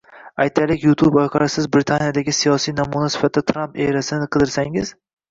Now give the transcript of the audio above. Aytaylik, YouTube orqali siz Britaniyadagi siyosiy namuna sifatida Tramp erasini qidirsangiz.